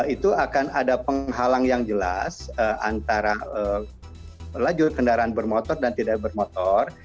itu akan ada penghalang yang jelas antara lajur kendaraan bermotor dan tidak bermotor